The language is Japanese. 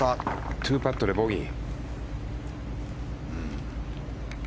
２パットでボギー。